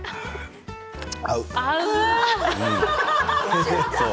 合う。